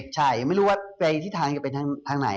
ใช่ยังไม่รู้ว่าไปทิศทางจะเป็นทางไหน